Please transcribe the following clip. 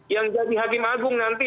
yang jadi hakim agung nanti